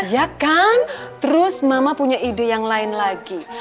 ya kan terus mama punya ide yang lain lagi